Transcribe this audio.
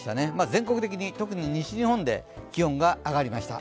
全国的に、特に西日本で気温が上がりました。